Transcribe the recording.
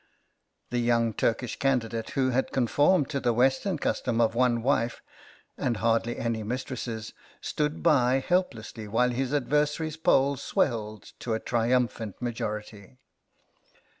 The Young Turkish candidate, who had conformed to the Western custom of one wife and hardly any mistresses, stood by YOUNG TURKISH CATASTROPHE 41 helplessly while his adversary's poll swelled to a triumphant majority.